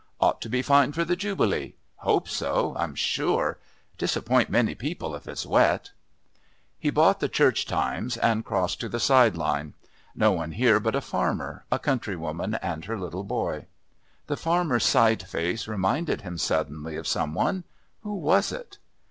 Ought to be fine for the Jubilee. Hope so, I'm sure. Disappoint many people if it's wet...." He bought the Church Times and crossed to the side line. No one here but a farmer, a country woman and her little boy. The farmer's side face reminded him suddenly of some one. Who was it?